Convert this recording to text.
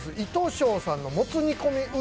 庄さんのもつ煮込みう